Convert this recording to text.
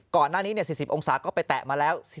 ก่อนหน้านี้๔๐องศาก็ไปแตะมาแล้ว